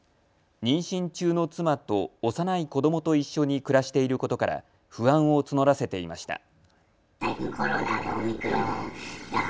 妊娠中の妻と幼い子どもと一緒に暮らしていることから不安を募らせていました。